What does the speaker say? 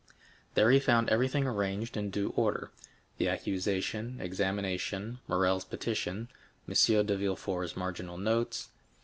There he found everything arranged in due order,—the accusation, examination, Morrel's petition, M. de Villefort's marginal notes.